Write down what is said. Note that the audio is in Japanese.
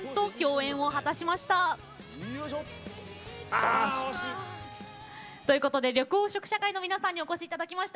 あ惜しい！ということで緑黄色社会の皆さんにお越しいただきました。